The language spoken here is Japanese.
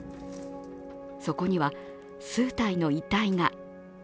そこには、数体の遺体が。